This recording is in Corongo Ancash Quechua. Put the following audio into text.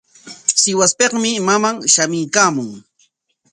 Sihuaspikmi maman shamuykaamun.